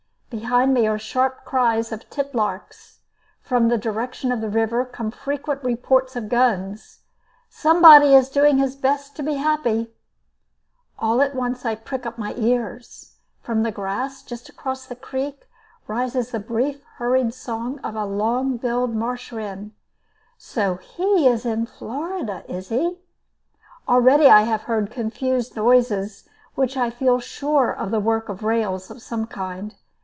Behind me are sharp cries of titlarks. From the direction of the river come frequent reports of guns. Somebody is doing his best to be happy! All at once I prick up my ears. From the grass just across the creek rises the brief, hurried song of a long billed marsh wren. So he is in Florida, is he? Already I have heard confused noises which I feel sure are the work of rails of some kind.